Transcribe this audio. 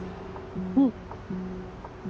うん。